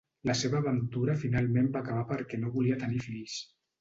La seva aventura finalment va acabar perquè no volia tenir fills.